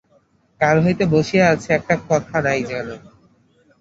কাল হইতে বসিয়া আছে, একটি কথা নাই কেন!